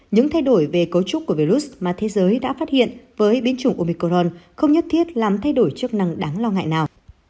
những thay đổi về cấu trúc của virus mà thế giới đã phát hiện với biến chủng omicron không nhất thiết làm thay đổi chức năng đáng lo ngại nào